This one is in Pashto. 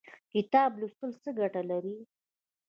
کتاب لوستل څه ګټه لري؟